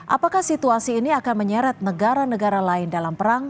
apakah situasi ini akan menyeret negara negara lain dalam perang